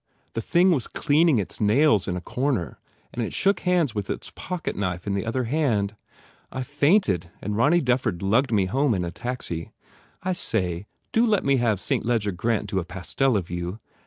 The thing was cleaning its nails in a corner and it shook hands with its pocket knife in the other hand. I fainted and Ronny Dufford lugged me home in a taxi. I say, do let me have St. Ledger Grant do a pastel of you.